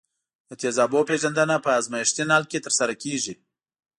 د تیزابونو پیژندنه په ازمیښتي نل کې ترسره کیږي.